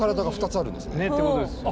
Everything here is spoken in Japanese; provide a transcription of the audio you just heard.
ね。ってことですよね。